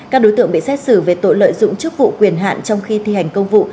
các đối tượng bị xét xử về tội lợi dụng chức vụ quyền hạn trong khi thi hành công vụ